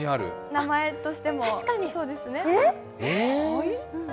名前としても？